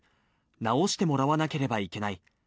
なおしてもらわなければいけない。